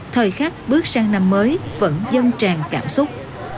thời khắc bước sang năm mới vẫn dâng tràn cảm xúc